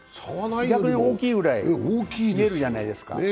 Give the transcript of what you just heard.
逆に大きいぐらい、出るじゃないですか。